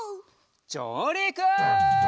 じょうりく！